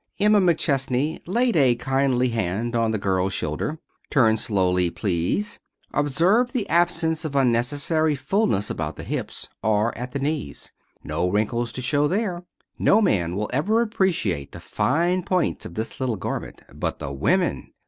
Emma McChesney laid a kindly hand on the girl's shoulder. "Turn slowly, please. Observe the absence of unnecessary fulness about the hips, or at the knees. No wrinkles to show there. No man will ever appreciate the fine points of this little garment, but the women!